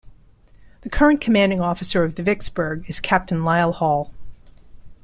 The current commanding officer of the "Vicksburg" is Captain Lyle Hall.